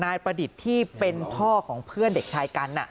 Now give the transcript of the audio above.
ประดิษฐ์ที่เป็นพ่อของเพื่อนเด็กชายกัน